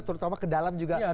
terutama ke dalam juga